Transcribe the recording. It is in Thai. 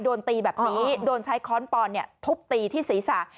โดนตีแบบนี้โดนใช้ค้อนปอนด์เนี่ยทบตีที่ศรีษะ